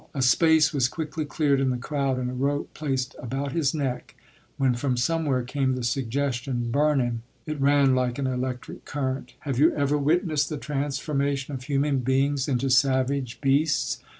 A space was quickly cleared in the crowd, and a rope placed about his neck, when from somewhere came the suggestion, "Burn him!" It ran like an electric current. Have you ever witnessed the transformation of human beings into savage beasts?